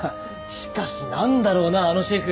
しかし何だろうなあのシェフ。